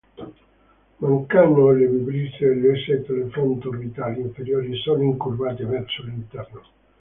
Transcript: Mancano le vibrisse e le setole fronto-orbitali inferiori sono incurvate verso l'interno.